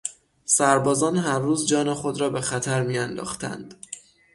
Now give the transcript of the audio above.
سربازان هر روز جان خود را به خطر میانداختند.